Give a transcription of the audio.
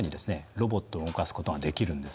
ロボットを動かすことができるんです。